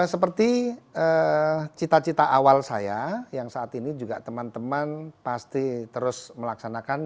seperti cita cita awal saya yang saat ini juga teman teman pasti terus melaksanakan